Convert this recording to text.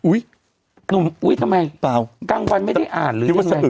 หนุ่มอุ๊ยทำไมเปล่ากลางวันไม่ได้อ่านหรือจะใส่